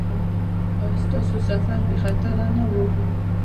ایا ستاسو سفر بې خطره نه و؟